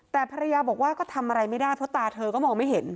แต่ภรรยาบอกว่าก็ทำอะไรไม่ได้เพราะตาเธอก็มองไม่เห็น